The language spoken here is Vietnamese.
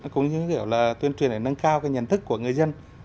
cũng như kiểu là tuyên truyền để nâng cao cái nhận thức của người dân